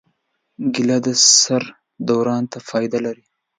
کېله د سر دوران ته فایده لري.